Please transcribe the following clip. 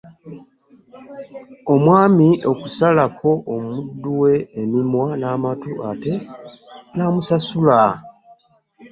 Omwami okusalako omuddu we emimwa n'amatu ate n'amusasula.